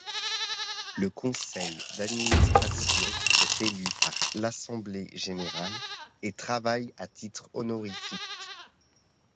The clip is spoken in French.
Le Conseil d'administration est élu par l'Assemblée Générale et travaille à titre honorifique.